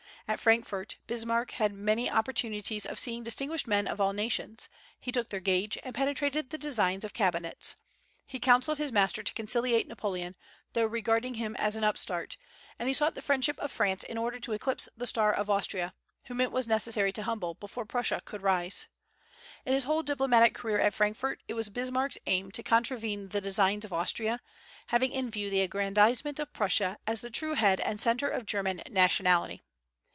At Frankfort, Bismarck had many opportunities of seeing distinguished men of all nations; he took their gauge, and penetrated the designs of cabinets. He counselled his master to conciliate Napoleon, though regarding him as an upstart; and he sought the friendship of France in order to eclipse the star of Austria, whom it was necessary to humble before Prussia could rise. In his whole diplomatic career at Frankfort it was Bismarck's aim to contravene the designs of Austria, having in view the aggrandizement of Prussia as the true head and centre of German nationality.